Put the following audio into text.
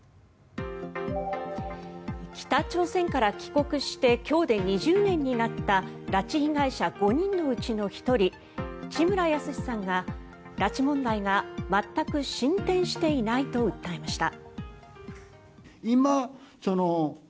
北朝鮮から帰国して今日で２０年になった拉致被害者５人のうちの１人地村保志さんが拉致問題が全く進展していないと訴えました。